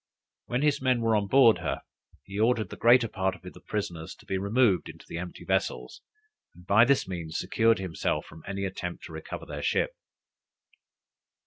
When his men were on board her, he ordered the greater part of the prisoners to be removed into the empty vessels, and by this means secured himself from any attempt to recover their ship.